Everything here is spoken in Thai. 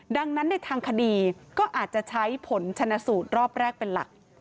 ดังนั้นในทางคดีก็อาจจะใช้ผลชนะสูตรรอบแรกเป็นหลัก